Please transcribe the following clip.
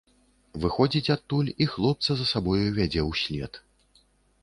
Выходзіць адтуль і хлопца за сабою вядзе ўслед.